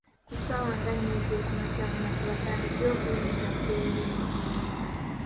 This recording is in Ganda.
Ku ssaawa nga nnya ezookumakya abanafu we batandikira okuyimirira ku lubimbi.